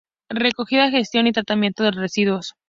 Recogida, gestión y tratamiento de residuos.